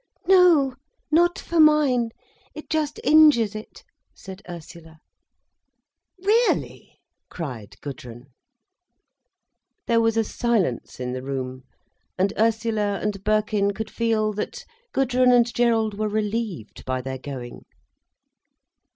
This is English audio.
"No, not for mine. It just injures it," said Ursula. "Really!" cried Gudrun. There was a silence in the room. And Ursula and Birkin could feel that Gudrun and Gerald were relieved by their going.